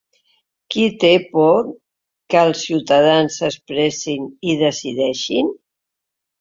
Qui té por que els ciutadans s’expressin i decideixin?